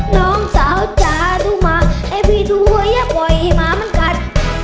น้องสาวจ้าดูมาให้พี่ดูไว้อย่าปล่อยให้หมามันกัด